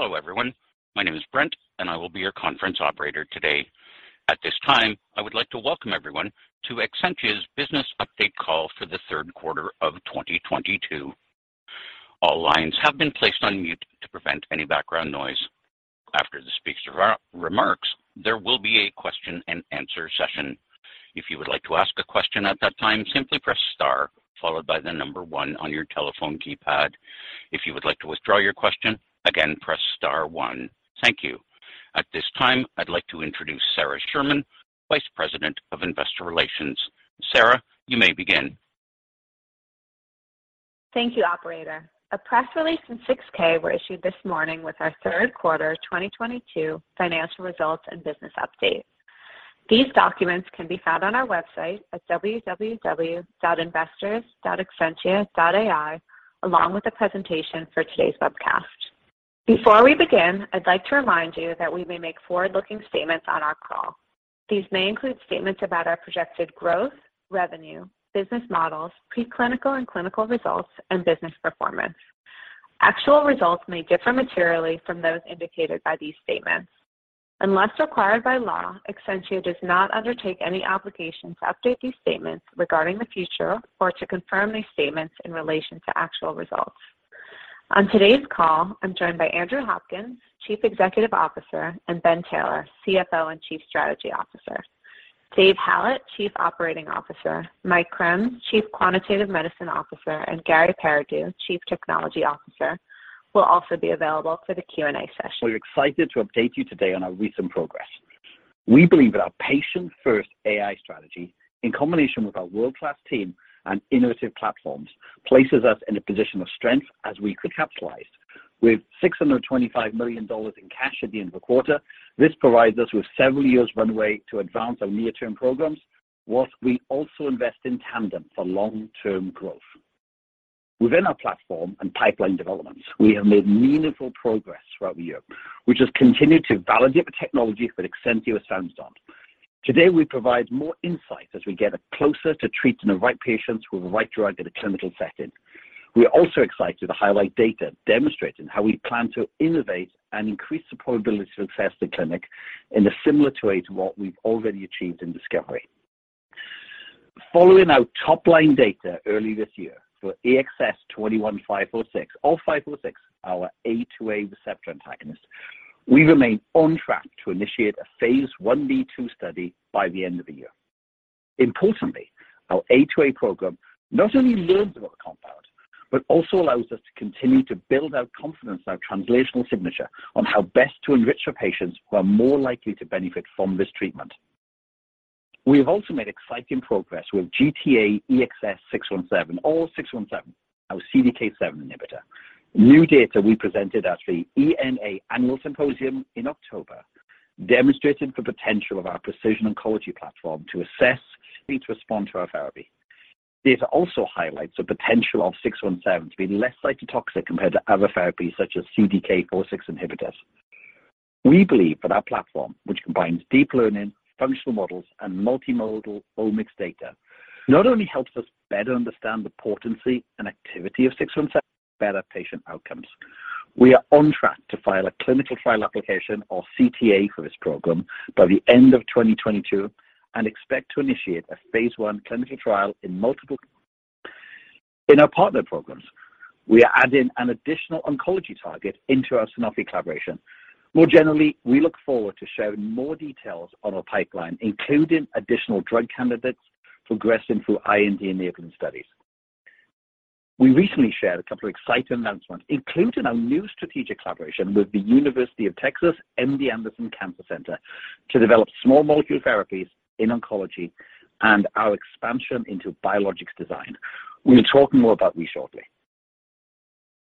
Hello everyone. My name is Brent, and I will be your conference operator today. At this time, I would like to welcome everyone to Exscientia's business update call for the third quarter of 2022. All lines have been placed on mute to prevent any background noise. After the speakers' remarks, there will be a question-and-answer session. If you would like to ask a question at that time, simply press star followed by the number one on your telephone keypad. If you would like to withdraw your question, again, press star one. Thank you. At this time, I'd like to introduce Sara Sherman, Vice President of Investor Relations. Sara, you may begin. Thank you, operator. A press release and 6-K were issued this morning with our third quarter 2022 financial results and business update. These documents can be found on our website at www.investors.exscientia.ai, along with the presentation for today's webcast. Before we begin, I'd like to remind you that we may make forward-looking statements on our call. These may include statements about our projected growth, revenue, business models, preclinical and clinical results, and business performance. Actual results may differ materially from those indicated by these statements. Unless required by law, Exscientia does not undertake any obligation to update these statements regarding the future or to confirm these statements in relation to actual results. On today's call, I'm joined by Andrew Hopkins, Chief Executive Officer, and Ben Taylor, CFO and Chief Strategy Officer. David Hallett, Chief Operating Officer, Michael Krams, Chief Quantitative Medicine Officer, and Garry Pairaudeau, Chief Technology Officer, will also be available for the Q&A session. We're excited to update you today on our recent progress. We believe that our patient-first AI strategy, in combination with our world-class team and innovative platforms, places us in a position of strength as we could capitalize. With $625 million in cash at the end of the quarter, this provides us with several years runway to advance our near-term programs, while we also invest in tandem for long-term growth. Within our platform and pipeline developments, we have made meaningful progress throughout the year, which has continued to validate the technology that Exscientia stands on. Today, we provide more insights as we get closer to treating the right patients with the right drug in a clinical setting. We are also excited to highlight data demonstrating how we plan to innovate and increase the probability of success in the clinic in a similar way to what we've already achieved in discovery. Following our top-line data early this year for EXS21546, our A2A receptor antagonist, we remain on track to initiate a phase Ib/II study by the end of the year. Importantly, our A2A program not only learns about the compound but also allows us to continue to build our confidence in our translational signature on how best to enrich our patients who are more likely to benefit from this treatment. We have also made exciting progress with GTA-EXS617, our CDK7 inhibitor. New data we presented at the EORTC-NCI-AACR Annual Symposium in October demonstrated the potential of our precision oncology platform to assess need to respond to our therapy. Data also highlights the potential of 617 to be less cytotoxic compared to other therapies such as CDK4/6 inhibitors. We believe that our platform, which combines deep learning, functional models, and multimodal omics data, not only helps us better understand the potency and activity of 617 better patient outcomes. We are on track to file a clinical trial application or CTA for this program by the end of 2022 and expect to initiate a phase I clinical trial. In our partner programs, we are adding an additional oncology target into our Sanofi collaboration. More generally, we look forward to sharing more details on our pipeline, including additional drug candidates progressing through IND-enabling studies. We recently shared a couple of exciting announcements, including a new strategic collaboration with The University of Texas MD Anderson Cancer Center to develop small molecule therapies in oncology and our expansion into biologics design. We will talk more about these shortly.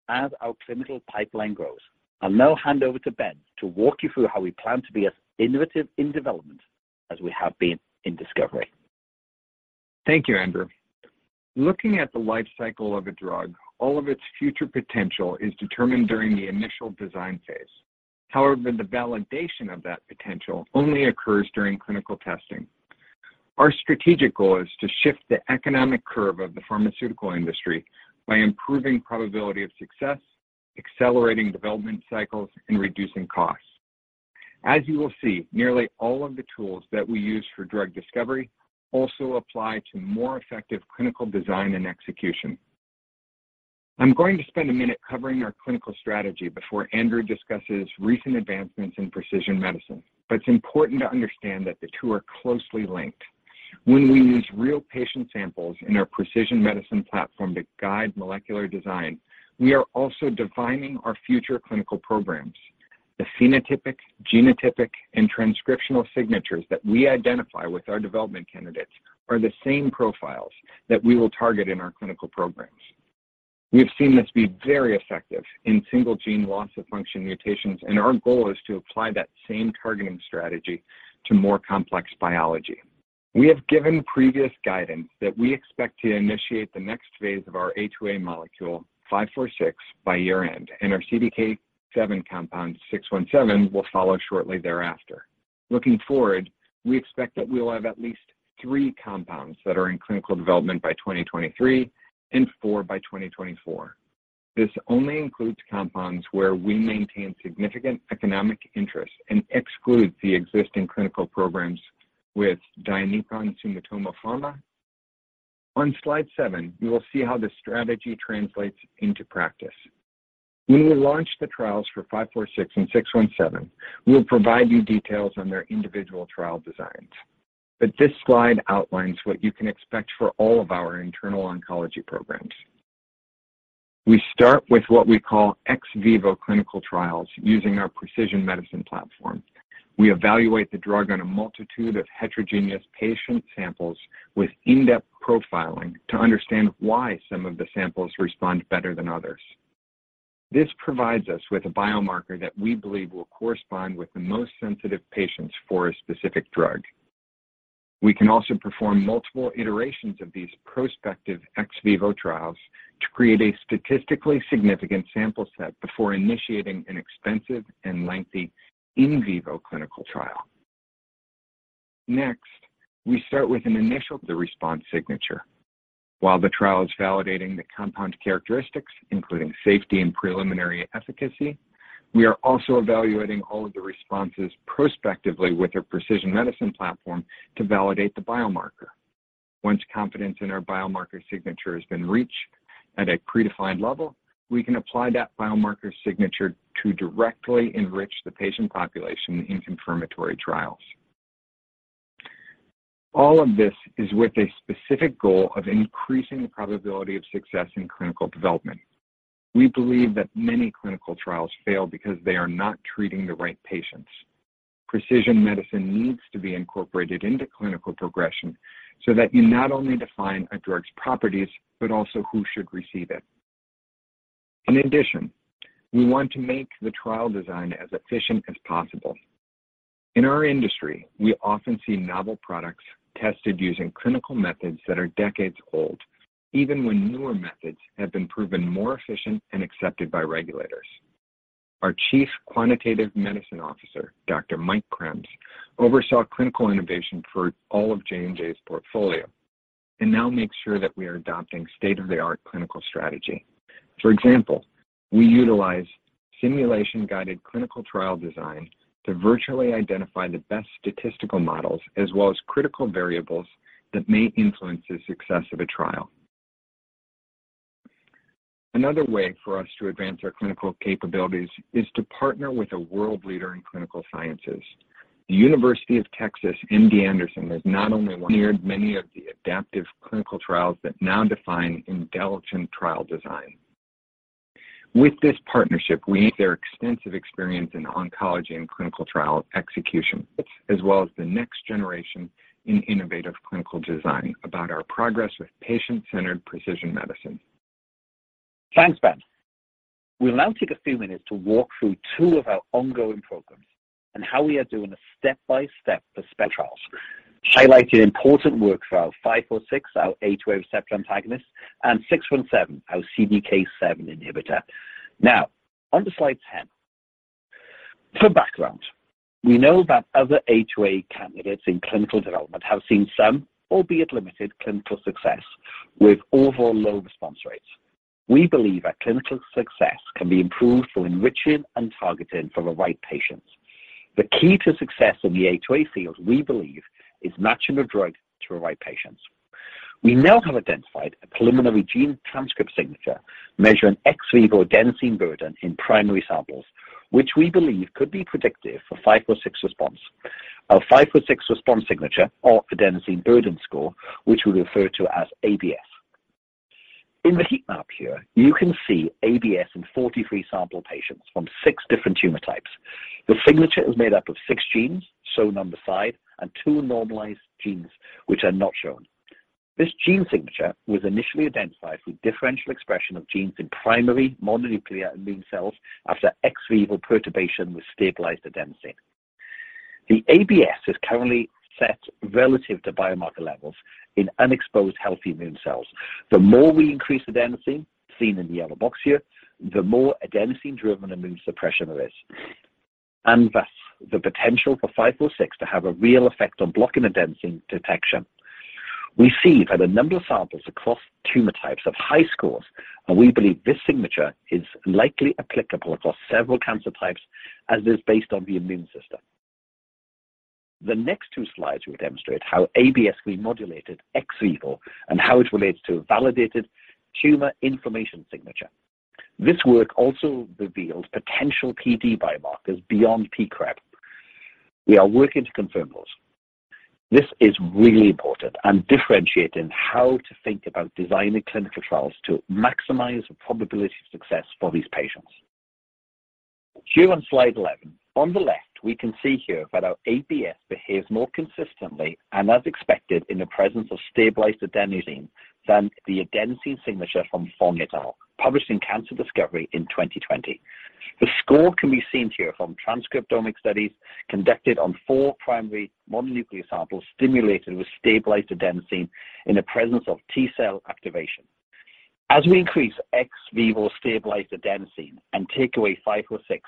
As our clinical pipeline grows, I'll now hand over to Ben to walk you through how we plan to be as innovative in development as we have been in discovery. Thank you, Andrew. Looking at the life cycle of a drug, all of its future potential is determined during the initial design phase. However, the validation of that potential only occurs during clinical testing. Our strategic goal is to shift the economic curve of the pharmaceutical industry by improving probability of success, accelerating development cycles, and reducing costs. As you will see, nearly all of the tools that we use for drug discovery also apply to more effective clinical design and execution. I'm going to spend a minute covering our clinical strategy before Andrew discusses recent advancements in precision medicine, but it's important to understand that the two are closely linked. When we use real patient samples in our precision medicine platform to guide molecular design, we are also defining our future clinical programs. The phenotypic, genotypic, and transcriptional signatures that we identify with our development candidates are the same profiles that we will target in our clinical programs. We have seen this be very effective in single gene loss of function mutations, and our goal is to apply that same targeting strategy to more complex biology. We have given previous guidance that we expect to initiate the next phase of our A2A molecule, 546, by year-end, and our CDK7 compound, 617, will follow shortly thereafter. Looking forward, we expect that we'll have at least three compounds that are in clinical development by 2023 and four by 2024. This only includes compounds where we maintain significant economic interest and excludes the existing clinical programs with Daiichi Sankyo and Sumitomo Pharma. On slide seven, you will see how the strategy translates into practice. When we launch the trials for 546 and 617, we'll provide you details on their individual trial designs. This slide outlines what you can expect for all of our internal oncology programs. We start with what we call ex vivo clinical trials using our precision medicine platform. We evaluate the drug on a multitude of heterogeneous patient samples with in-depth profiling to understand why some of the samples respond better than others. This provides us with a biomarker that we believe will correspond with the most sensitive patients for a specific drug. We can also perform multiple iterations of these prospective ex vivo trials to create a statistically significant sample set before initiating an expensive and lengthy in vivo clinical trial. Next, we start with an initial response signature. While the trial is validating the compound characteristics, including safety and preliminary efficacy, we are also evaluating all of the responses prospectively with our precision medicine platform to validate the biomarker. Once confidence in our biomarker signature has been reached at a predefined level, we can apply that biomarker signature to directly enrich the patient population in confirmatory trials. All of this is with a specific goal of increasing the probability of success in clinical development. We believe that many clinical trials fail because they are not treating the right patients. Precision medicine needs to be incorporated into clinical progression so that you not only define a drug's properties but also who should receive it. In addition, we want to make the trial design as efficient as possible. In our industry, we often see novel products tested using clinical methods that are decades old, even when newer methods have been proven more efficient and accepted by regulators. Our Chief Quantitative Medicine Officer, Dr. Mike Krams, oversaw clinical innovation for all of J&J's portfolio and now makes sure that we are adopting state-of-the-art clinical strategy. For example, we utilize simulation-guided clinical trial design to virtually identify the best statistical models as well as critical variables that may influence the success of a trial. Another way for us to advance our clinical capabilities is to partner with a world leader in clinical sciences. The University of Texas MD Anderson has not only pioneered many of the adaptive clinical trials that now define intelligent trial design. With this partnership, we'll leverage their extensive experience in oncology and clinical trial execution as well as the next generation of innovative clinical design about our progress with patient-centered precision medicine. Thanks, Ben. We'll now take a few minutes to walk through two of our ongoing programs and how we are doing a step-by-step trials, highlighting important work for our 546, our A2A receptor antagonist, and 617, our CDK7 inhibitor. Now on to slide 10. For background, we know that other A2A candidates in clinical development have seen some, albeit limited, clinical success with overall low response rates. We believe that clinical success can be improved through enriching and targeting for the right patients. The key to success in the A2A field, we believe, is matching the drug to the right patients. We now have identified a preliminary gene transcript signature measuring ex vivo adenosine burden in primary samples, which we believe could be predictive for 546 response. Our 546 response signature, or Adenosine Burden Score, which we refer to as ABS. In the heat map here, you can see ABS in 43 sample patients from six different tumor types. The signature is made up of six genes, shown on the side, and two normalized genes, which are not shown. This gene signature was initially identified through differential expression of genes in primary mononuclear immune cells after ex vivo perturbation with stabilized adenosine. The ABS is currently set relative to biomarker levels in unexposed healthy immune cells. The more we increase adenosine, seen in the yellow box here, the more adenosine-driven immune suppression there is, and thus the potential for 546 to have a real effect on blocking adenosine detection. We see that a number of samples across tumor types have high scores, and we believe this signature is likely applicable across several cancer types as it is based on the immune system. The next two slides will demonstrate how we modulated ABS ex vivo and how it relates to a validated Tumor Inflammation Signature. This work also reveals potential PD biomarkers beyond pCREB. We are working to confirm those. This is really important and differentiating how to think about designing clinical trials to maximize the probability of success for these patients. Here on slide 11, on the left, we can see here that our ABS behaves more consistently and as expected in the presence of stabilized adenosine than the adenosine signature from Fong et al., published in Cancer Discovery in 2020. The score can be seen here from transcriptomic studies conducted on four primary mononuclear samples stimulated with stabilized adenosine in the presence of T-cell activation. As we increase ex vivo stabilized adenosine and take away EXS21546,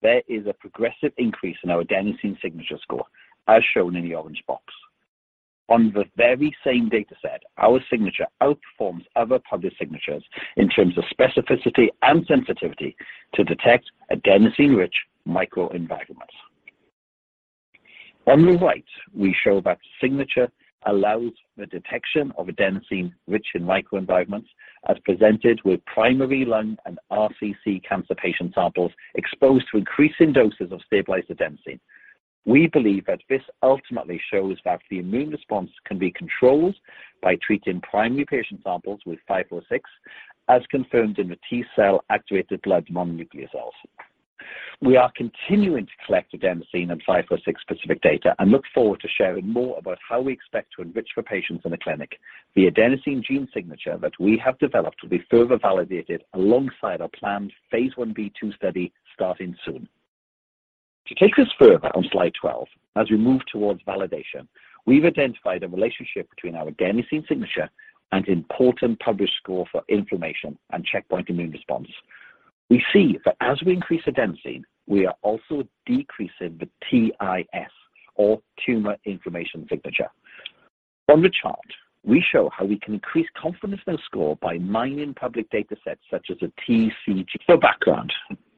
there is a progressive increase in our adenosine signature score, as shown in the orange box. On the very same data set, our signature outperforms other published signatures in terms of specificity and sensitivity to detect adenosine-rich microenvironments. On the right, we show that signature allows the detection of adenosine-rich microenvironments as presented with primary lung and RCC cancer patient samples exposed to increasing doses of stabilized adenosine. We believe that this ultimately shows that the immune response can be controlled by treating primary patient samples with EXS21546, as confirmed in the T-cell activated blood mononuclear cells. We are continuing to collect adenosine and EXS21546 specific data and look forward to sharing more about how we expect to enrich for patients in the clinic. The adenosine gene signature that we have developed will be further validated alongside our planned phase Ib/II study starting soon. To take us further on slide 12, as we move towards validation, we've identified a relationship between our adenosine signature and important published score for inflammation and checkpoint immune response. We see that as we increase adenosine, we are also decreasing the TIS, or Tumor Inflammation Signature. From the chart, we show how we can increase confidence in the score by mining public data sets such as TCGA. For background,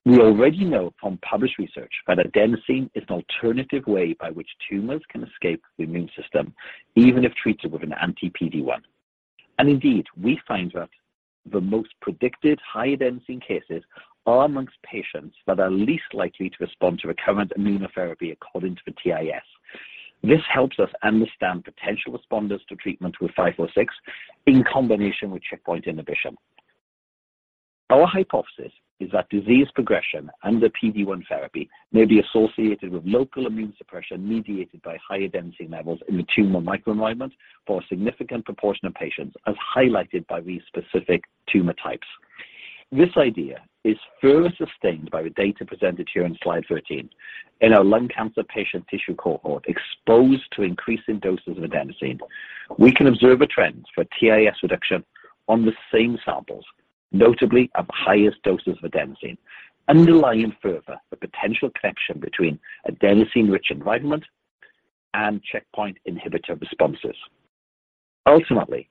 we already know from published research that adenosine is an alternative way by which tumors can escape the immune system even if treated with an anti-PD-1. Indeed, we find that the most predicted high adenosine cases are among patients that are least likely to respond to current immunotherapy according to the TIS. This helps us understand potential responders to treatment with EXS21546 in combination with checkpoint inhibition. Our hypothesis is that disease progression under PD-1 therapy may be associated with local immune suppression mediated by higher density levels in the tumor microenvironment for a significant proportion of patients, as highlighted by these specific tumor types. This idea is further sustained by the data presented here on slide 13. In our lung cancer patient tissue cohort exposed to increasing doses of adenosine, we can observe a trend for TIS reduction on the same samples, notably of highest doses of adenosine, underlining further the potential connection between adenosine-rich environment and checkpoint inhibitor responses. Ultimately,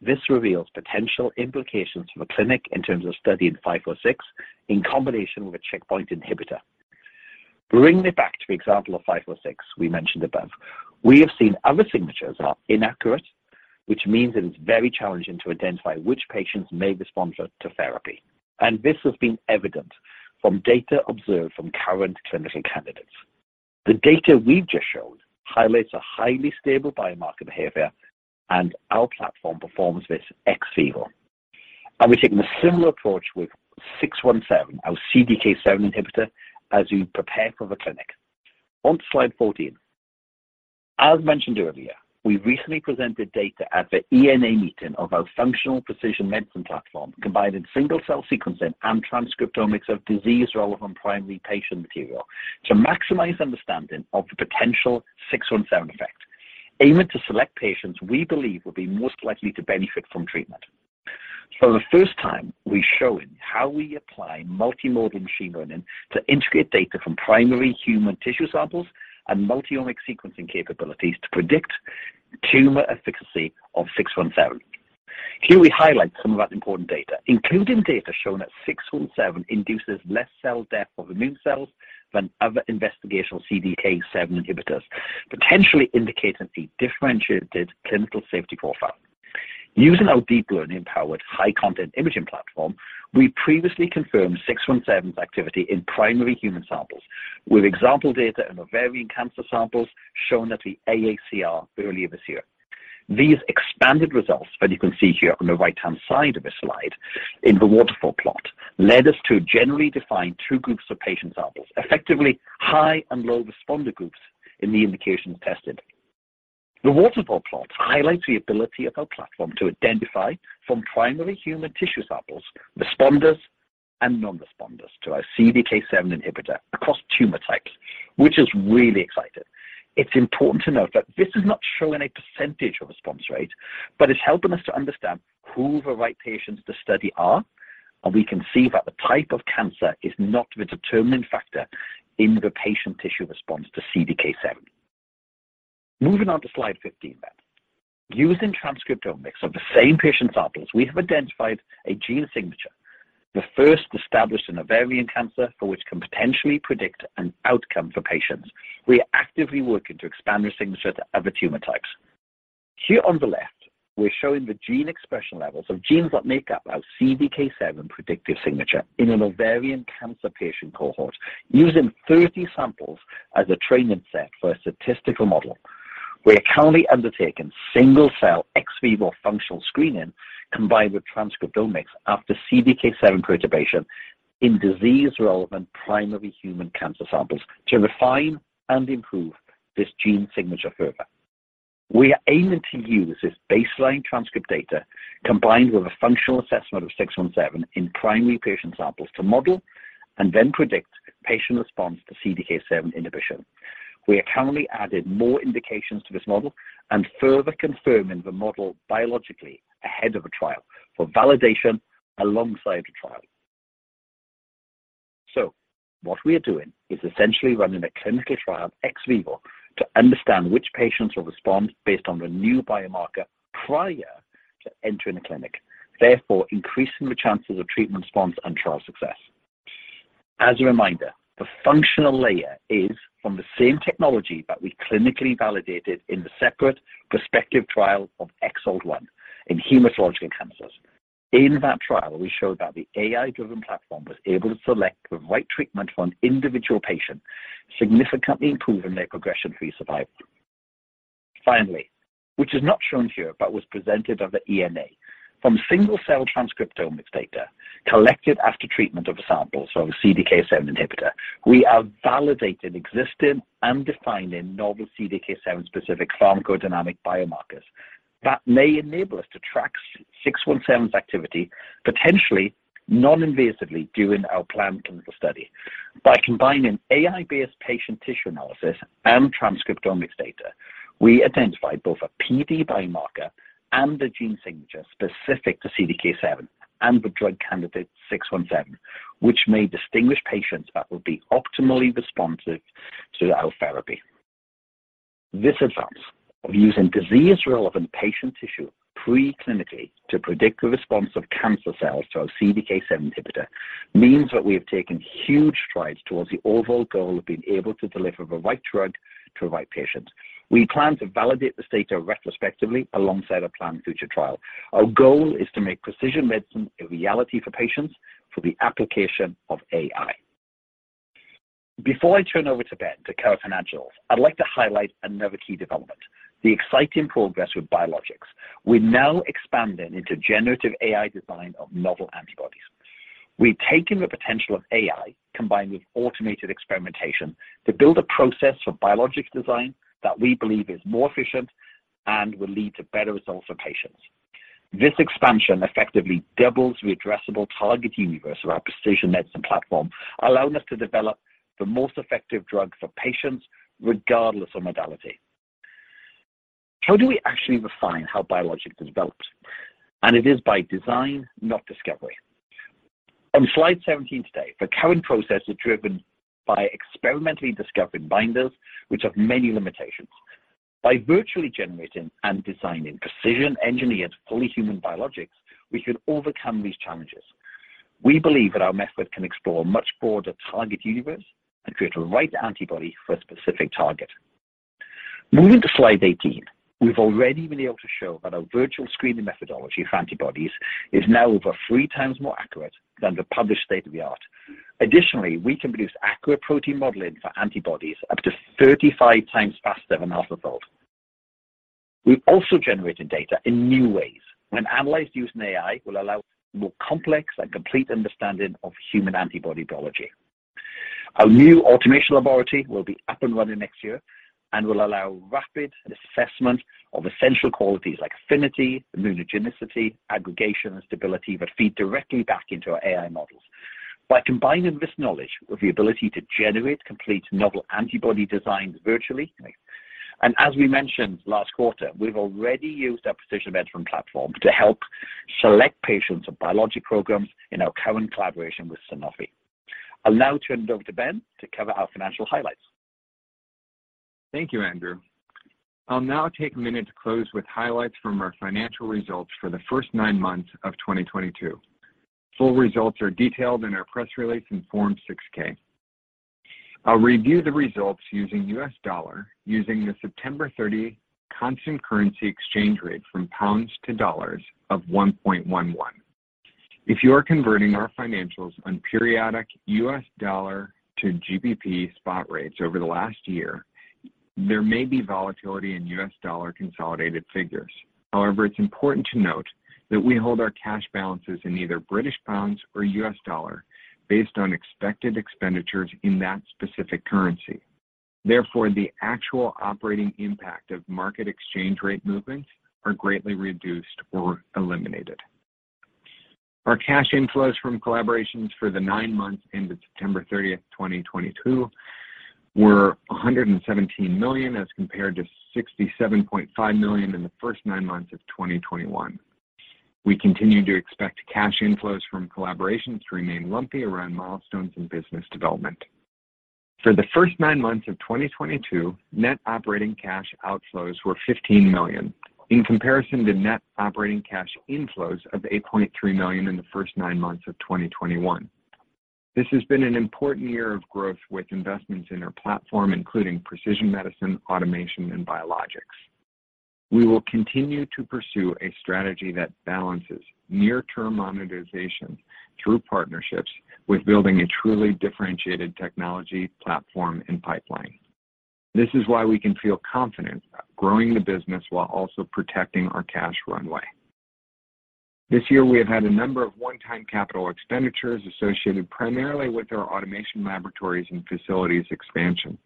this reveals potential implications for the clinic in terms of studying 546 in combination with a checkpoint inhibitor. Bringing it back to the example of 546 we mentioned above, we have seen other signatures are inaccurate, which means that it's very challenging to identify which patients may respond to therapy. This has been evident from data observed from current clinical candidates. The data we've just shown highlights a highly stable biomarker behavior, and our platform performs this ex vivo. We're taking a similar approach with 617, our CDK7 inhibitor, as we prepare for the clinic. On to slide 14. As mentioned earlier, we recently presented data at the EHA meeting of our functional precision medicine platform, combining single-cell sequencing and transcriptomics of disease-relevant primary patient material to maximize understanding of the potential 617 effect, aiming to select patients we believe will be most likely to benefit from treatment. For the first time, we're showing how we apply multi-modal machine learning to integrate data from primary human tissue samples and multi-omic sequencing capabilities to predict tumor efficacy of 617. Here we highlight some of that important data, including data shown that 617 induces less cell death of immune cells than other investigational CDK7 inhibitors, potentially indicating a differentiated clinical safety profile. Using our deep learning-powered high-content imaging platform, we previously confirmed 617's activity in primary human samples with example data in ovarian cancer samples shown at the AACR earlier this year. These expanded results that you can see here on the right-hand side of the slide in the waterfall plot led us to generally define two groups of patient samples, effectively high and low responder groups in the indications tested. The waterfall plot highlights the ability of our platform to identify from primary human tissue samples responders and non-responders to our CDK7 inhibitor across tumor types, which is really exciting. It's important to note that this is not showing a percentage of response rate, but it's helping us to understand who the right patients to study are, and we can see that the type of cancer is not the determining factor in the patient tissue response to CDK7. Moving on to slide 15 then. Using transcriptomics of the same patient samples, we have identified a gene signature, the first established in ovarian cancer for which can potentially predict an outcome for patients. We are actively working to expand the signature to other tumor types. Here on the left, we're showing the gene expression levels of genes that make up our CDK7 predictive signature in an ovarian cancer patient cohort using 30 samples as a training set for a statistical model. We are currently undertaking single-cell ex vivo functional screening combined with transcriptomics after CDK7 perturbation in disease-relevant primary human cancer samples to refine and improve this gene signature further. We are aiming to use this baseline transcript data combined with a functional assessment of 617 in primary patient samples to model and then predict patient response to CDK7 inhibition. We are currently adding more indications to this model and further confirming the model biologically ahead of a trial for validation alongside the trial. What we are doing is essentially running a clinical trial ex vivo to understand which patients will respond based on the new biomarker prior to entering the clinic, therefore increasing the chances of treatment response and trial success. As a reminder, the functional layer is from the same technology that we clinically validated in the separate prospective trial of EXALT-1 in hematological cancers. In that trial, we showed that the AI-driven platform was able to select the right treatment for an individual patient, significantly improving their progression-free survival. Finally, which is not shown here but was presented at the ENA. From single-cell transcriptomics data collected after treatment of a sample, so a CDK7 inhibitor, we are validating existing and defining novel CDK7 specific pharmacodynamic biomarkers that may enable us to track 617's activity, potentially non-invasively during our planned clinical study. By combining AI-based patient tissue analysis and transcriptomics data, we identified both a PD biomarker and a gene signature specific to CDK7 and the drug candidate 617, which may distinguish patients that will be optimally responsive to our therapy. This advance of using disease-relevant patient tissue pre-clinically to predict the response of cancer cells to our CDK7 inhibitor means that we have taken huge strides towards the overall goal of being able to deliver the right drug to the right patient. We plan to validate this data retrospectively alongside our planned future trial. Our goal is to make precision medicine a reality for patients through the application of AI. Before I turn over to Ben to cover financials, I'd like to highlight another key development, the exciting progress with biologics. We're now expanding into generative AI design of novel antibodies. We've taken the potential of AI combined with automated experimentation to build a process for biologics design that we believe is more efficient and will lead to better results for patients. This expansion effectively doubles the addressable target universe of our precision medicine platform, allowing us to develop the most effective drug for patients regardless of modality. How do we actually refine how biologics is developed? It is by design, not discovery. On slide 17 today, the current process is driven by experimentally discovering binders, which have many limitations. By virtually generating and designing precision-engineered, fully human biologics, we can overcome these challenges. We believe that our method can explore a much broader target universe and create the right antibody for a specific target. Moving to slide 18, we've already been able to show that our virtual screening methodology for antibodies is now over three times more accurate than the published state-of-the-art. Additionally, we can produce accurate protein modeling for antibodies up to 35 times faster than our result. We've also generated data in new ways when analyzed using AI will allow more complex and complete understanding of human antibody biology. Our new automation laboratory will be up and running next year and will allow rapid assessment of essential qualities like affinity, immunogenicity, aggregation, and stability that feed directly back into our AI models. By combining this knowledge with the ability to generate complete novel antibody designs virtually, and as we mentioned last quarter, we've already used our precision medicine platform to help select patients for biologic programs in our current collaboration with Sanofi. I'll now turn it over to Ben to cover our financial highlights. Thank you, Andrew. I'll now take a minute to close with highlights from our financial results for the first nine months of 2022. Full results are detailed in our press release in Form 6-K. I'll review the results using US dollar the September 30 constant currency exchange rate from pounds to dollars of 1.11. If you are converting our financials using periodic US dollar to GBP spot rates over the last year, there may be volatility in US dollar consolidated figures. However, it's important to note that we hold our cash balances in either British pounds or US dollar based on expected expenditures in that specific currency. Therefore, the actual operating impact of market exchange rate movements are greatly reduced or eliminated. Our cash inflows from collaborations for the nine months ended September 30, 2022 were $117 million, as compared to $67.5 million in the first nine months of 2021. We continue to expect cash inflows from collaborations to remain lumpy around milestones in business development. For the first nine months of 2022, net operating cash outflows were $15 million in comparison to net operating cash inflows of $8.3 million in the first nine months of 2021. This has been an important year of growth with investments in our platform including precision medicine, automation, and biologics. We will continue to pursue a strategy that balances near-term monetization through partnerships with building a truly differentiated technology platform and pipeline. This is why we can feel confident growing the business while also protecting our cash runway. This year we have had a number of one-time capital expenditures associated primarily with our automation laboratories and facilities expansion.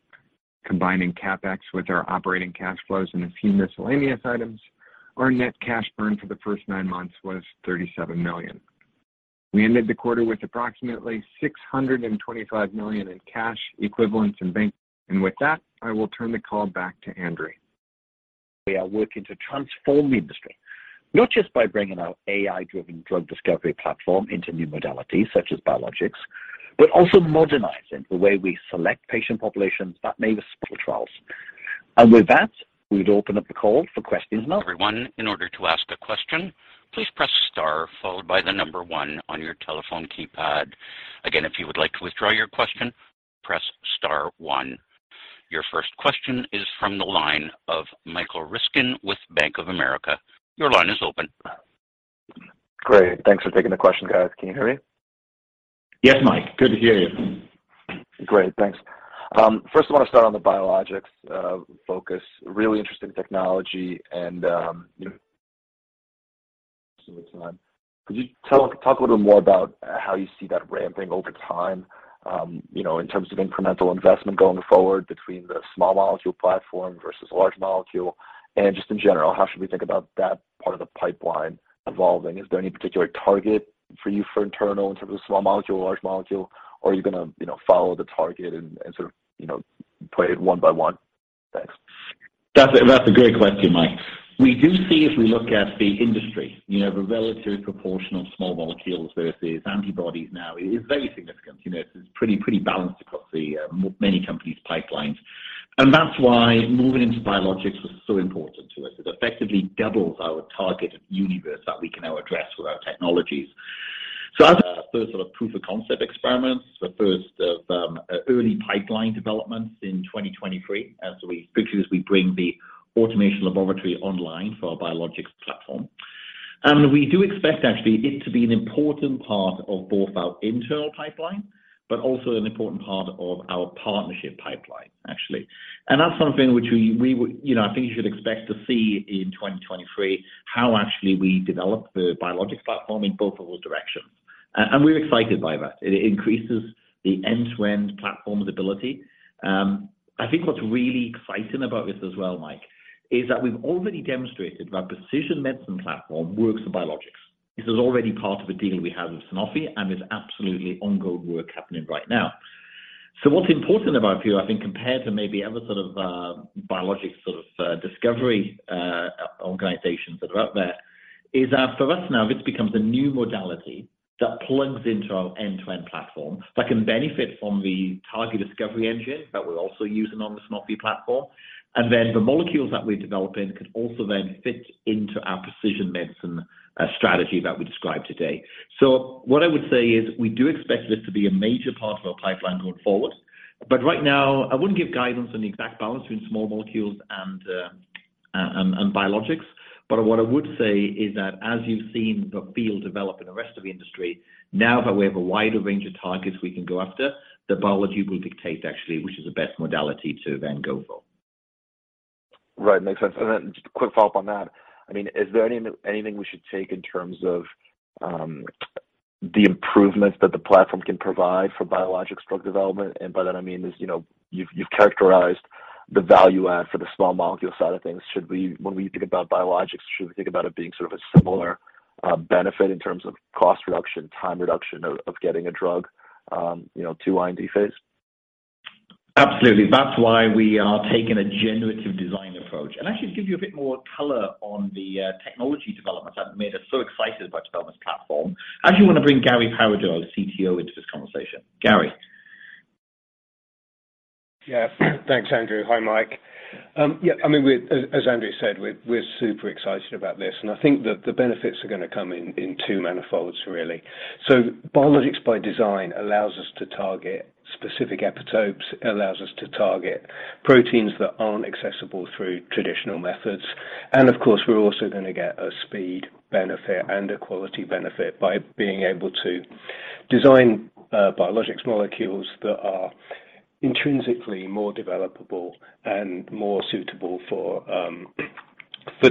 Combining CapEx with our operating cash flows and a few miscellaneous items, our net cash burn for the first nine months was $37 million. We ended the quarter with approximately $625 million in cash equivalents and bank. With that, I will turn the call back to Andrew. We are working to transform the industry, not just by bringing our AI-driven drug discovery platform into new modalities such as biologics, but also modernizing the way we select patient populations that may miss clinical trials. With that, we would open up the call for questions now. Everyone, in order to ask a question, please press star followed by the number one on your telephone keypad. Again, if you would like to withdraw your question, press star one. Your first question is from the line of Michael Ryskin with Bank of America. Your line is open. Great. Thanks for taking the question, guys. Can you hear me? Yes, Mike. Good to hear you. Great. Thanks. First I want to start on the biologics focus. Really interesting technology and, you know, most of the time. Could you talk a little more about how you see that ramping over time, you know, in terms of incremental investment going forward between the small molecule platform versus large molecule and just in general, how should we think about that part of the pipeline evolving? Is there any particular target for you for internal in terms of small molecule, large molecule, or are you gonna, you know, follow the target and sort of, you know, play it one by one? Thanks. That's a great question, Mike. We do see if we look at the industry, you know, the relative proportion of small molecules versus antibodies now is very significant. You know, it's pretty balanced across the many companies' pipelines. That's why moving into biologics was so important to us. It effectively doubles our target universe that we can now address with our technologies. As a first sort of proof of concept experiments, the first of early pipeline developments in 2023 particularly as we bring the automation laboratory online for our biologics platform. We do expect actually it to be an important part of both our internal pipeline, but also an important part of our partnership pipeline, actually. That's something which we would, you know, I think you should expect to see in 2023, how actually we develop the biologics platform in both of those directions. We're excited by that. It increases the end-to-end platform ability. I think what's really exciting about this as well, Mike, is that we've already demonstrated our precision medicine platform works in biologics. This is already part of a deal we have with Sanofi, and it's absolutely ongoing work happening right now. What's important about here, I think, compared to maybe other sort of biologics sort of discovery organizations that are out there is, for us now, this becomes a new modality that plugs into our end-to-end platform that can benefit from the target discovery engine that we're also using on the Sanofi platform. The molecules that we're developing could also then fit into our precision medicine strategy that we described today. What I would say is we do expect this to be a major part of our pipeline going forward. Right now, I wouldn't give guidance on the exact balance between small molecules and biologics. What I would say is that as you've seen the field develop in the rest of the industry, now that we have a wider range of targets we can go after, the biology will dictate actually which is the best modality to then go for. Right. Makes sense. Just a quick follow-up on that. I mean, is there anything we should take in terms of the improvements that the platform can provide for biologics drug development? By that I mean, you know, you've characterized the value add for the small molecule side of things. When we think about biologics, should we think about it being sort of a similar benefit in terms of cost reduction, time reduction of getting a drug, you know, to R&D phase? Absolutely. That's why we are taking a generative design approach. Actually to give you a bit more color on the technology developments that made us so excited about development platform. I actually wanna bring Garry Pairaudeau, our CTO, into this conversation. Gary? Yeah. Thanks, Andrew. Hi, Mike. I mean, as Andrew said, we're super excited about this, and I think that the benefits are gonna come in twofold, really. Biologics by design allows us to target specific epitopes, allows us to target proteins that aren't accessible through traditional methods. Of course, we're also gonna get a speed benefit and a quality benefit by being able to design biologics molecules that are intrinsically more developable and more suitable for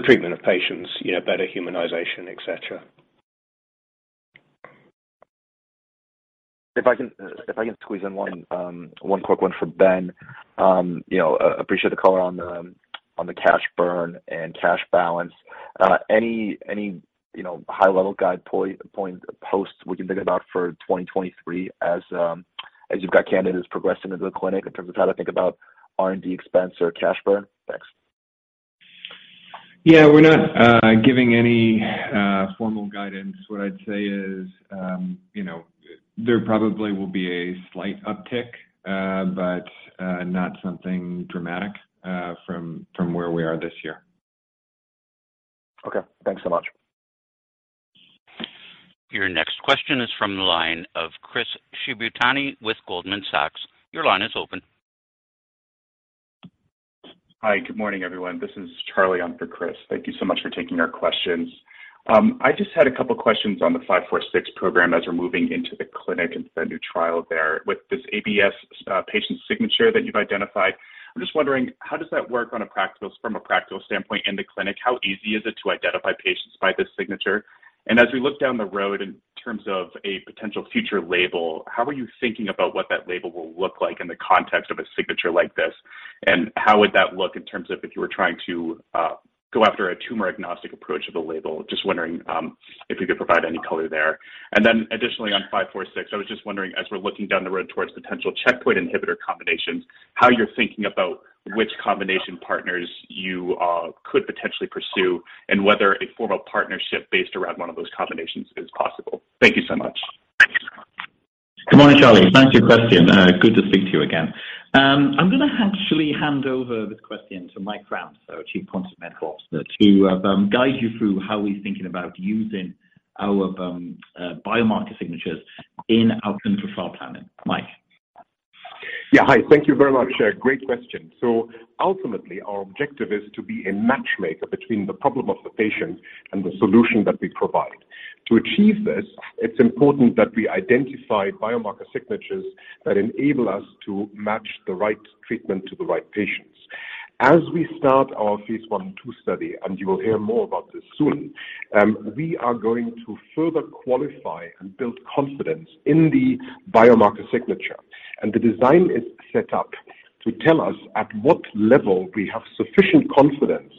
treatment of patients, you know, better humanization, et cetera. If I can squeeze in one quick one for Ben. You know, appreciate the color on the cash burn and cash balance. Any, you know, high-level guidance points we can think about for 2023 as you've got candidates progressing into the clinic in terms of how to think about R&D expense or cash burn? Thanks. Yeah. We're not giving any formal guidance. What I'd say is, you know, there probably will be a slight uptick, but not something dramatic from where we are this year. Okay. Thanks so much. Your next question is from the line of Chris Shibutani with Goldman Sachs. Your line is open. Hi. Good morning, everyone. This is Charlie on for Chris. Thank you so much for taking our questions. I just had a couple questions on the 546 program as we're moving into the clinic and the new trial there. With this ABS patient signature that you've identified, I'm just wondering how does that work from a practical standpoint in the clinic? How easy is it to identify patients by this signature? As we look down the road in terms of a potential future label, how are you thinking about what that label will look like in the context of a signature like this? How would that look in terms of if you were trying to go after a tumor agnostic approach of the label? Just wondering, if you could provide any color there. Additionally, on EXS21546, I was just wondering, as we're looking down the road towards potential checkpoint inhibitor combinations, how you're thinking about which combination partners you could potentially pursue and whether a formal partnership based around one of those combinations is possible? Thank you so much. Good morning, Charlie. Thanks for your question. Good to speak to you again. I'm gonna actually hand over this question to Michael Krams, our Chief Quantitative Medicine Officer, to guide you through how he's thinking about using our biomarker signatures in our clinical trial planning. Mike? Yeah. Hi. Thank you very much. Great question. Ultimately, our objective is to be a matchmaker between the problem of the patient and the solution that we provide. To achieve this, it's important that we identify biomarker signatures that enable us to match the right treatment to the right patients. As we start our phase I and II study, and you will hear more about this soon, we are going to further qualify and build confidence in the biomarker signature. The design is set up to tell us at what level we have sufficient confidence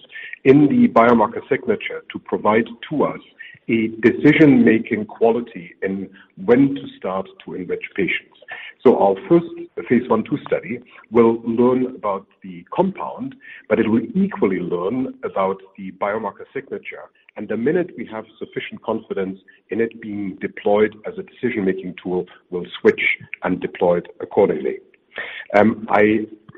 in the biomarker signature to provide to us a decision-making quality in when to start to enrich patients. Our first phase I/II study will learn about the compound, but it will equally learn about the biomarker signature. The minute we have sufficient confidence in it being deployed as a decision-making tool, we'll switch and deploy it accordingly. I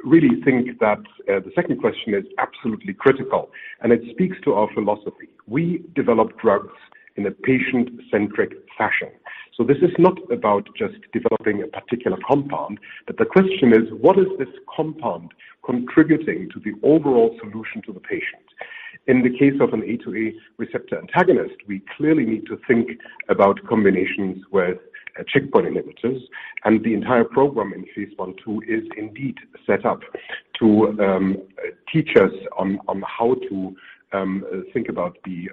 really think that the second question is absolutely critical, and it speaks to our philosophy. We develop drugs in a patient-centric fashion. This is not about just developing a particular compound, but the question is, what is this compound contributing to the overall solution to the patient? In the case of an A2A receptor antagonist, we clearly need to think about combinations with checkpoint inhibitors, and the entire program in phase I/II is indeed set up to teach us on how to think about the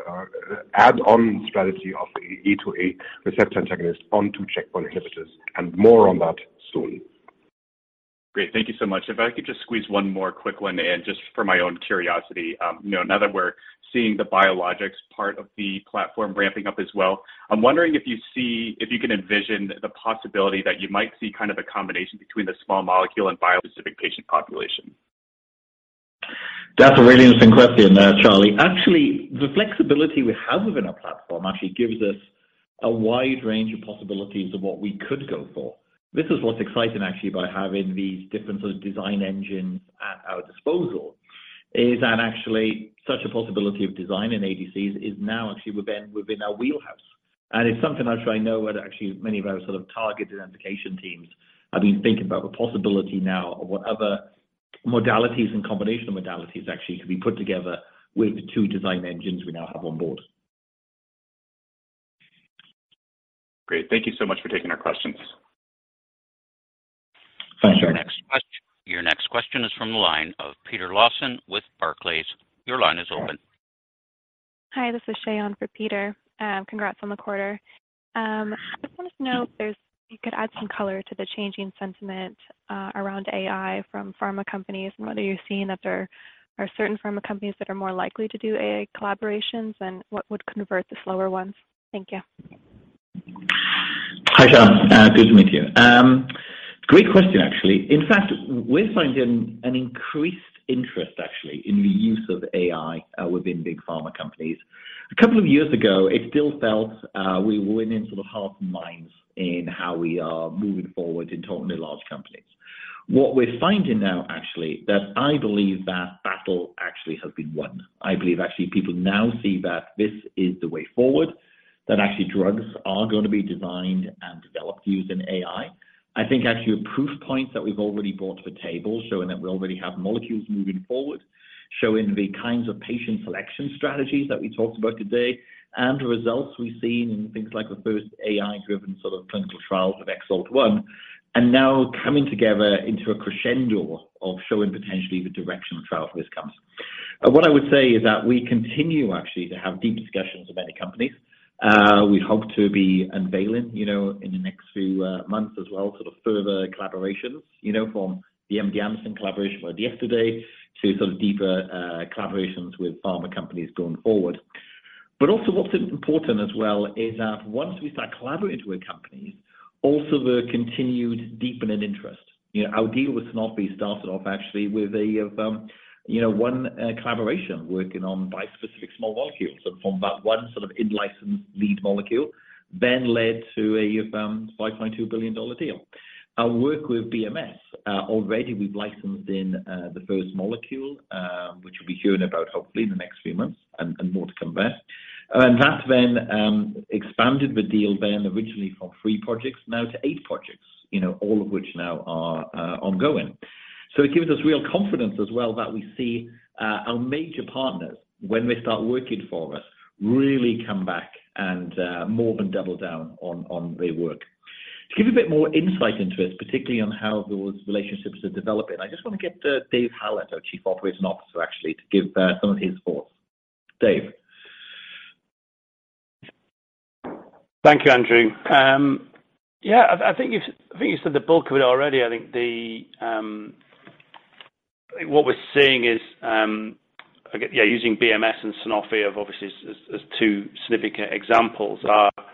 add-on strategy of A2A receptor antagonist onto checkpoint inhibitors, and more on that soon. Great. Thank you so much. If I could just squeeze one more quick one in just for my own curiosity. You know, now that we're seeing the biologics part of the platform ramping up as well, I'm wondering if you can envision the possibility that you might see kind of a combination between the small molecule and bispecific patient population. That's a really interesting question, Charlie. Actually, the flexibility we have within our platform actually gives us a wide range of possibilities of what we could go for. This is what's exciting actually by having these different sort of design engines at our disposal, is that actually such a possibility of design in ADCs is now actually within our wheelhouse. It's something I'm sure I know where actually many of our sort of targeted indication teams have been thinking about the possibility now of what other modalities and combination modalities actually could be put together with the two design engines we now have on board. Great. Thank you so much for taking our questions. Thanks. Your next question is from the line of Peter Lawson with Barclays. Your line is open. Hi, this is Shayon for Peter. Congrats on the quarter. I just wanted to know if you could add some color to the changing sentiment around AI from pharma companies and whether you're seeing that there are certain pharma companies that are more likely to do AI collaborations and what would convert the slower ones. Thank you. Hi, Shayon. Good to meet you. Great question, actually. In fact, we're finding an increased interest actually in the use of AI within big pharma companies. A couple of years ago, it still felt we went in sort of half minds in how we are moving forward in totally large companies. What we're finding now actually that I believe that battle actually has been won. I believe actually people now see that this is the way forward, that actually drugs are gonna be designed and developed using AI. I think actually a proof point that we've already brought to the table, showing that we already have molecules moving forward, showing the kinds of patient selection strategies that we talked about today and the results we've seen in things like the first AI-driven sort of clinical trials of EXALT-1, are now coming together into a crescendo of showing potentially the direction trial risk comes. What I would say is that we continue actually to have deep discussions with many companies. We hope to be unveiling, you know, in the next few months as well, sort of further collaborations, you know, from the MD Anderson collaboration we had yesterday to sort of deeper collaborations with pharma companies going forward. Also what's important as well is that once we start collaborating with companies, also the continued deepening interest. You know, our deal with Sanofi started off actually with a, you know, 1 collaboration working on bispecific small molecules. From that one sort of in-license lead molecule then led to a $5.2 billion deal. Our work with BMS already we've licensed in the first molecule, which we'll be hearing about hopefully in the next few months and more to come there. That then expanded the deal then originally from three projects now to eight projects, you know, all of which now are ongoing. It gives us real confidence as well that we see our major partners, when they start working for us, really come back and more than double down on their work. To give a bit more insight into this, particularly on how those relationships are developing, I just wanna get Dave Hallett, our Chief Operating Officer, actually to give some of his thoughts. Dave? Thank you, Andrew. Yeah, I think you said the bulk of it already. I think what we're seeing is, I guess, using BMS and Sanofi as, obviously, as two significant examples of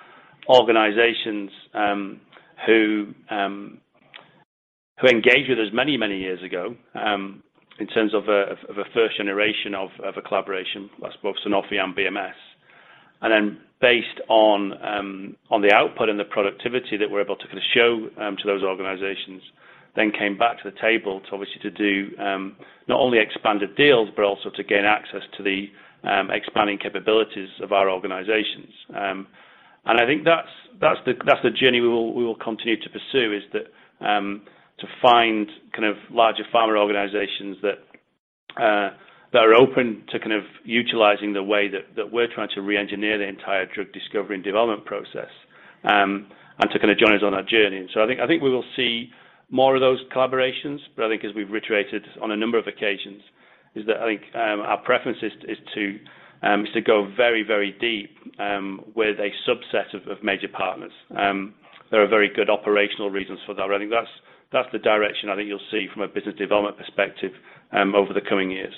organizations who engaged with us many years ago in terms of a first generation of a collaboration, that's both Sanofi and BMS. Then based on the output and the productivity that we're able to kind of show to those organizations, they came back to the table to obviously do not only expanded deals, but also to gain access to the expanding capabilities of our organizations. I think that's the journey we will continue to pursue, to find kind of larger pharma organizations that are open to kind of utilizing the way that we're trying to re-engineer the entire drug discovery and development process, and to kind of join us on our journey. I think we will see more of those collaborations, but I think as we've reiterated on a number of occasions, our preference is to go very, very deep with a subset of major partners. There are very good operational reasons for that. I think that's the direction I think you'll see from a business development perspective over the coming years.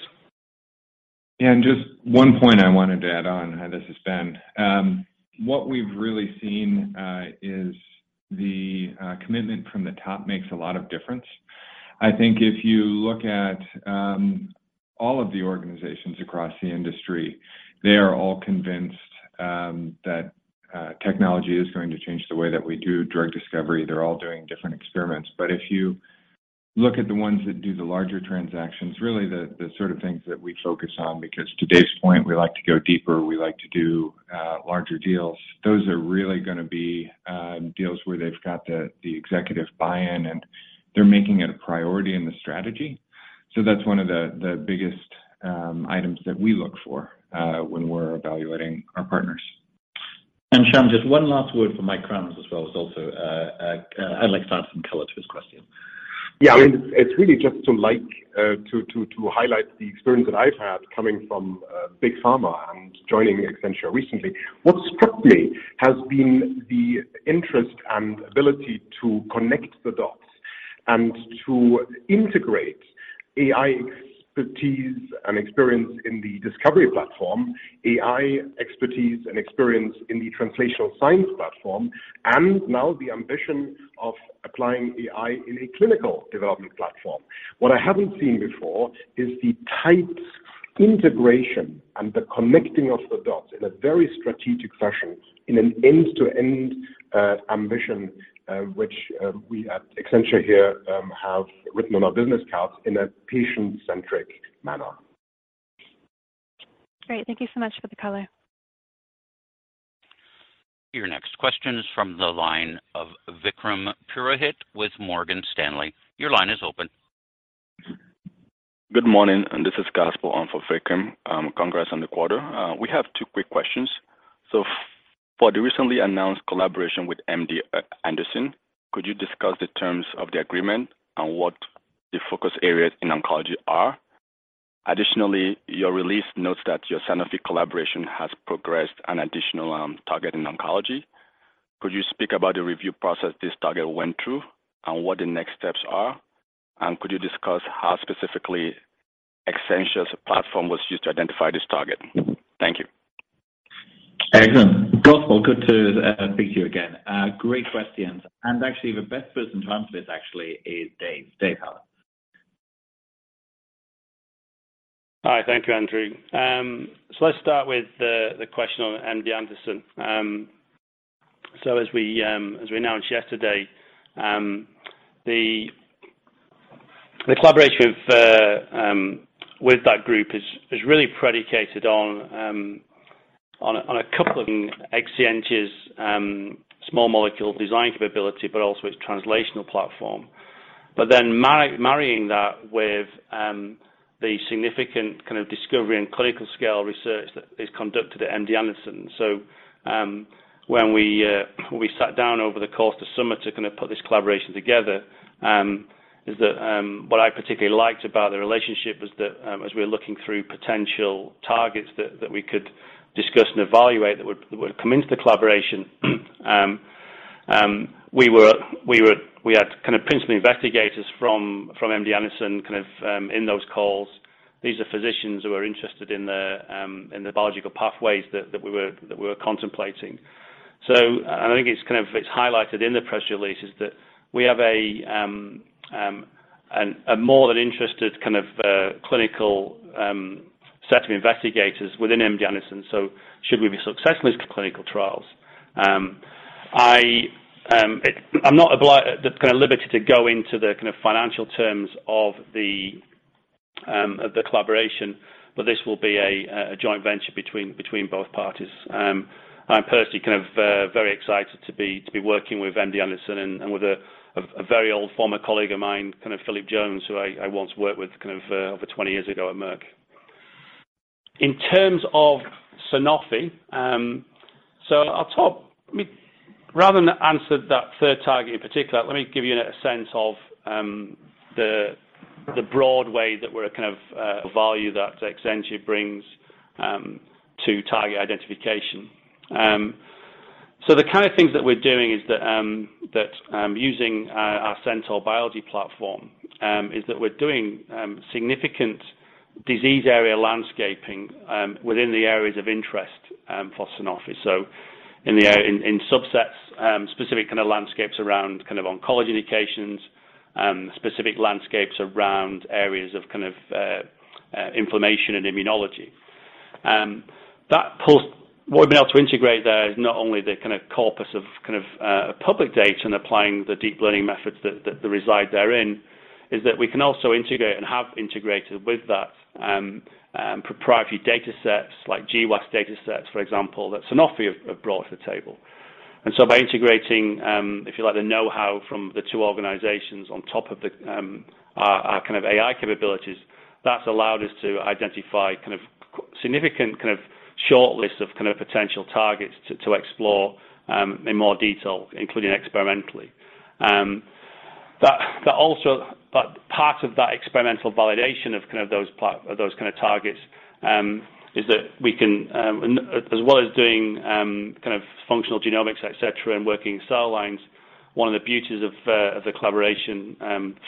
Just one point I wanted to add on, this is Ben. What we've really seen is the commitment from the top makes a lot of difference. I think if you look at all of the organizations across the industry, they are all convinced that technology is going to change the way that we do drug discovery. They're all doing different experiments. If you look at the ones that do the larger transactions, really the sort of things that we focus on, because to Dave's point, we like to go deeper, we like to do larger deals. Those are really gonna be deals where they've got the executive buy-in, and they're making it a priority in the strategy. That's one of the biggest items that we look for when we're evaluating our partners. Shayon, just one last word from Mike Krams as well, I'd like to add some color to his question. Yeah. I mean, it's really just to like, to highlight the experience that I've had coming from big pharma and joining Exscientia recently. What struck me has been the interest and ability to connect the dots and to integrate AI expertise and experience in the discovery platform, AI expertise and experience in the translational science platform, and now the ambition of applying AI in a clinical development platform. What I haven't seen before is the tight integration and the connecting of the dots in a very strategic fashion in an end-to-end ambition, which we at Exscientia here have written on our business cards in a patient-centric manner. Great. Thank you so much for the color. Your next question is from the line of Vikram Purohit with Morgan Stanley. Your line is open. Good morning, and this is Gospel on for Vikram. Congrats on the quarter. We have two quick questions. For the recently announced collaboration with MD Anderson, could you discuss the terms of the agreement and what the focus areas in oncology are? Additionally, your release notes that your Sanofi collaboration has progressed an additional target in oncology. Could you speak about the review process this target went through and what the next steps are? Could you discuss how specifically Exscientia's platform was used to identify this target? Thank you. Excellent. Gospa, good to speak to you again. Great questions. Actually the best person to answer this actually is Dave. Dave, how about it? Hi. Thank you, Andrew. Let's start with the question on MD Anderson. As we announced yesterday, the collaboration with that group is really predicated on a couple of Exscientia's small molecule design capability, but also its translational platform. Marrying that with the significant kind of discovery and clinical scale research that is conducted at MD Anderson. When we sat down over the course of summer to kind of put this collaboration together, what I particularly liked about the relationship was that, as we're looking through potential targets that we could discuss and evaluate that would come into the collaboration, we had kind of principal investigators from MD Anderson kind of in those calls. These are physicians who are interested in the biological pathways that we were contemplating. I think it's kind of highlighted in the press release that we have a more than interested kind of clinical set of investigators within MD Anderson, so should we be successful in these clinical trials. I'm not kind of limited to go into the kind of financial terms of the collaboration, but this will be a joint venture between both parties. I'm personally kind of very excited to be working with MD Anderson and with a very old former colleague of mine, kind of Philip Jones, who I once worked with kind of over 20 years ago at Merck. In terms of Sanofi, rather than answer that third target in particular, let me give you a sense of the broad way that we're kind of value that Exscientia brings to target identification. The kind of things that we're doing is that using our Centaur Biology platform is that we're doing significant disease area landscaping within the areas of interest for Sanofi in subsets specific kind of landscapes around kind of oncology indications, specific landscapes around areas of kind of inflammation and immunology. What we've been able to integrate there is not only the kind of corpus of kind of public data and applying the deep learning methods that reside therein, is that we can also integrate and have integrated with that proprietary datasets like GWAS datasets, for example, that Sanofi have brought to the table. By integrating, if you like, the know-how from the two organizations on top of our kind of AI capabilities, that's allowed us to identify kind of significant kind of short list of kind of potential targets to explore in more detail, including experimentally. Part of that experimental validation of kind of those kind of targets is that we can, and as well as doing kind of functional genomics, et cetera, and working cell lines, one of the beauties of the collaboration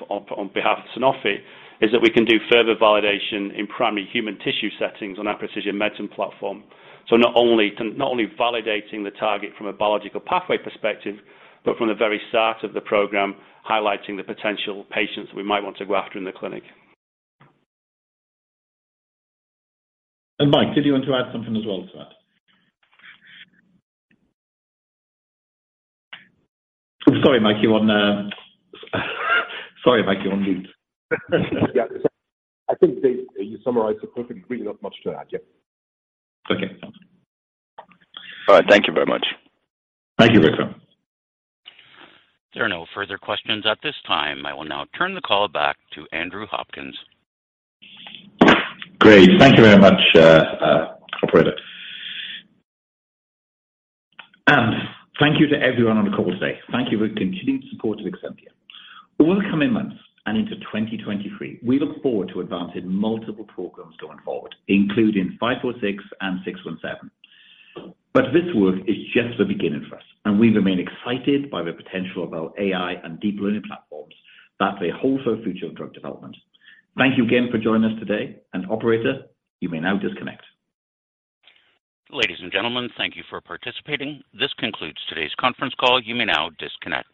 on behalf of Sanofi is that we can do further validation in primary human tissue settings on our precision medicine platform. Not only validating the target from a biological pathway perspective, but from the very start of the program, highlighting the potential patients we might want to go after in the clinic. Mike, did you want to add something as well to that? I'm sorry, Mike, you're on mute. Yeah. I think you summarized it perfectly. Really not much to add. Yeah. Okay. All right. Thank you very much. Thank you, Victor. There are no further questions at this time. I will now turn the call back to Andrew Hopkins. Great. Thank you very much, operator. Thank you to everyone on the call today. Thank you for your continued support of Exscientia. Over the coming months and into 2023, we look forward to advancing multiple programs going forward, including 546 and 617. This work is just the beginning for us, and we remain excited by the potential of our AI and deep learning platforms that they hold for future drug development. Thank you again for joining us today. Operator, you may now disconnect. Ladies and gentlemen, thank you for participating. This concludes today's conference call. You may now disconnect.